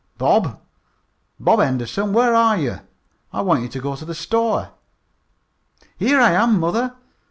"Bob! Bob Henderson! Where are you? I want you to go to the store." "Here I am, mother.